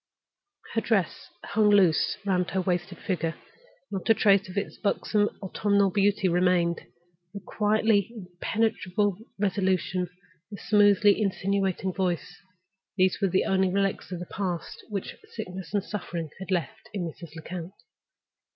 Her dress hung loose round her wasted figure; not a trace of its buxom autumnal beauty remained. The quietly impenetrable resolution, the smoothly insinuating voice—these were the only relics of the past which sickness and suffering had left in Mrs. Lecount.